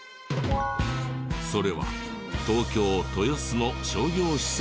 それは東京豊洲の商業施設にある。